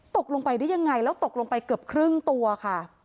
ตกลงไปได้ยังไงแล้วตกลงไปเกือบครึ่งตัวค่ะ